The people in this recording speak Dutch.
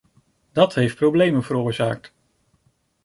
Dat heeft problemen veroorzaakt.